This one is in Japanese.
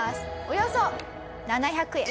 およそ７００円。